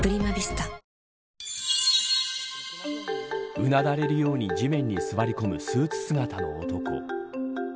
うなだれるように地面に座り込むスーツ姿の男。